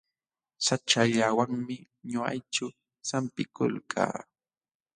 Saćhallawanmi ñuqayku sampikulkaa.